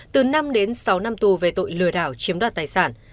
từ năm đến sáu năm tù về tội lừa đảo chiếm đoạt tài sản